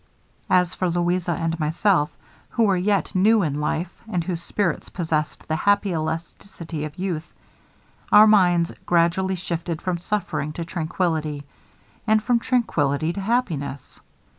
As for Louisa and myself, who were yet new in life, and whose spirits possessed the happy elasticity of youth, our minds gradually shifted from suffering to tranquillity, and from tranquillity to happiness.